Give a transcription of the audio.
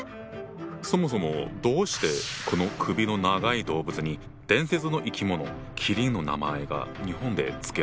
そもそもどうしてこの首の長い動物に伝説の生き物麒麟の名前が日本で付けられたんだ？